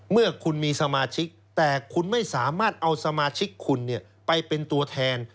เมื่อคุณมีสมาชิกแต่คุณไม่สามารถเอาสมาชิกคุณไปเป็นตัวแทน